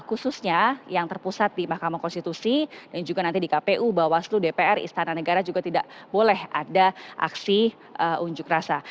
khususnya yang terpusat di mahkamah konstitusi dan juga nanti di kpu bawaslu dpr istana negara juga tidak boleh ada aksi unjuk rasa